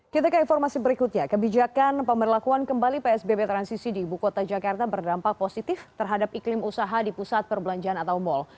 kita ke informasi berikutnya kebijakan pemberlakuan kembali psbb transisi di ibu kota jakarta berdampak positif terhadap iklim usaha di pusat perbelanjaan atau mal